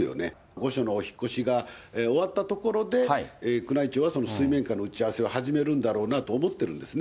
御所のお引っ越しが終わったところで、宮内庁は水面下の打ち合わせを始めるんだろうなと思ってるんですね。